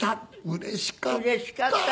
うれしかった！